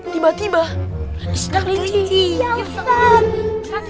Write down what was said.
tiba tiba disini ada